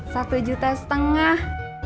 satu juta setengah